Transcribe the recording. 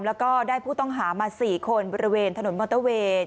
แล้วก็ได้ผู้ต้องหามา๔คนบริเวณถนนมอเตอร์เวย์